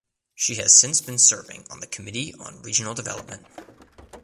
She has since been serving on the Committee on Regional Development.